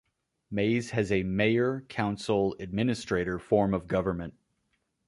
Maize has a mayor-council-administrator form of government.